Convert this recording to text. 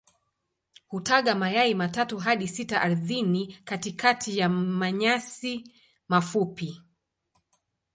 Hutaga mayai matatu hadi sita ardhini katikati ya manyasi mafupi.